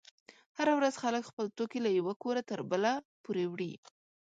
هره ورځ خلک خپل توکي له یوه کوره تر بله پورې وړي.